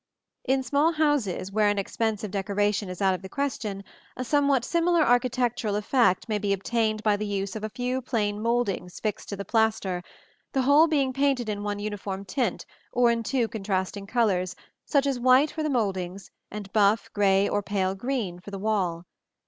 In small houses, where an expensive decoration is out of the question, a somewhat similar architectural effect may be obtained by the use of a few plain mouldings fixed to the plaster, the whole being painted in one uniform tint, or in two contrasting colors, such as white for the mouldings, and buff, gray, or pale green for the wall.